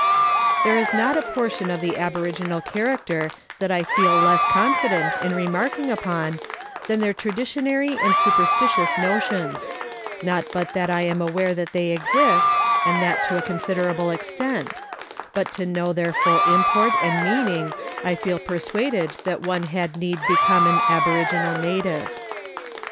There is not a portion of the aboriginal character that I feel less confident in remarking upon than their traditionary and superstitious notions, not but that I am aware that they exist, and that to a considerable extent, but to know their full import and meaning I feel persuaded that one had need become an aboriginal native.